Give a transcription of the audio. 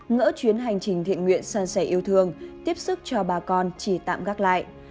ngỡ chuyến hành trình thiện nguyện sân sẻ yêu thương tiếp xúc cho bà con chỉ tạm gác lại